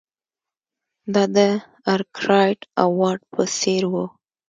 دا د ارکرایټ او واټ په څېر وو.